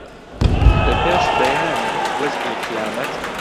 لە پێش بەیانی وەزعی قیامەت